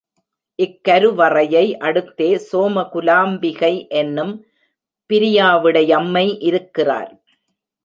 இக்கருவறையை அடுத்தே சோம குலாம்பிகை என்னும் பிரியா விடையம்மை இருக்கிறார்.